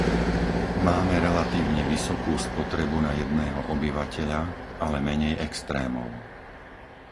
Máme relatívne vysokú spotrebu na jedného obyvateľa, ale menej extrémov.